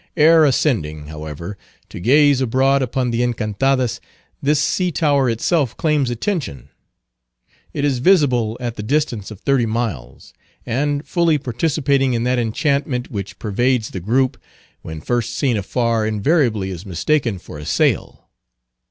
Ere ascending, however, to gaze abroad upon the Encantadas, this sea tower itself claims attention. It is visible at the distance of thirty miles; and, fully participating in that enchantment which pervades the group, when first seen afar invariably is mistaken for a sail.